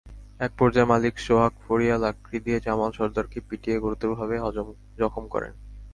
একপর্যায়ে মালিক সোহাগ ফড়িয়া লাকড়ি দিয়ে জামাল সরদারকে পিটিয়ে গুরুতরভাবে জখম করেন।